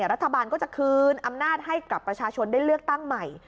รัฐบาลก็จะคืนอำนาจให้กับประชาชนได้เลือกตั้งใหม่